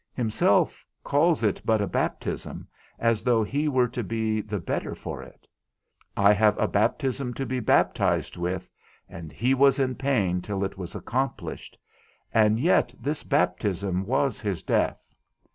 Himself calls it but a baptism, as though he were to be the better for it. I have a baptism to be baptised with, and he was in pain till it was accomplished, and yet this baptism was his death.